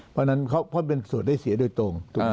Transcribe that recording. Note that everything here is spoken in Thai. เพราะฉะนั้นเขาเป็นส่วนได้เสียโดยตรง